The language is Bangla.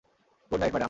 Good night, madam.